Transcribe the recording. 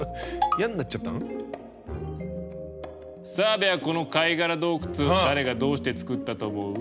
澤部はこの貝殻洞窟誰がどうして作ったと思う？